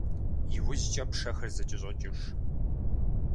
ИужькӀэ пшэхэр зэкӀэщӀокӀыж.